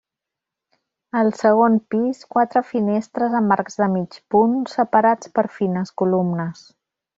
Al segon pis quatre finestres amb arcs de mig punt separats per fines columnes.